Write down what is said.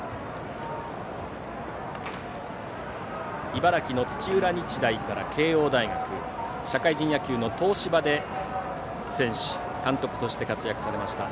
茨城の土浦日大から慶応大学社会人野球の東芝で選手、監督として活躍されました